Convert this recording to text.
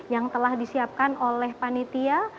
yang telah disiapkan oleh panitia